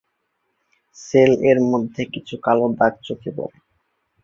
Sell এর মধ্যে কিছু কালো দাগ চোখে পড়ে।